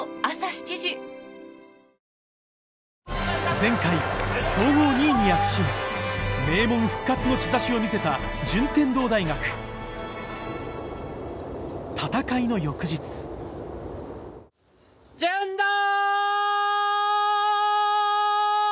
前回総合２位に躍進名門復活の兆しを見せた順天堂大学戦いの翌日順だい！